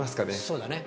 そうだね。